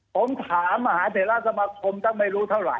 ผมถามมหาเดตราสมกรมก็ไม่รู้เท่าไร